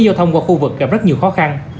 gặp rất nhiều khó khăn